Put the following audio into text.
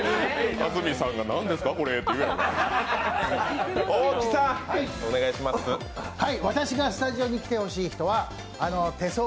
安住さんが「何ですかこれ」って言いそう。